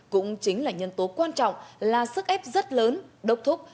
cũng chính là nhân tố quan trọng là sức ép rất lớn đốc thúc